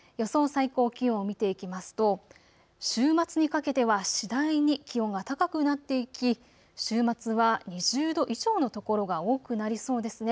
最高気温を見ていきますと週末にかけては次第に気温が高くなっていき週末は２０度以上の所が多くなりそうですね。